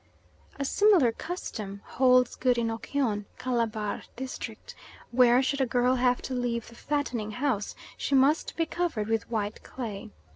A similar custom holds good in Okyon, Calabar district, where, should a girl have to leave the fattening house, she must be covered with white clay.